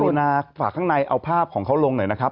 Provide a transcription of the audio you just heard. รุณาฝากข้างในเอาภาพของเขาลงหน่อยนะครับ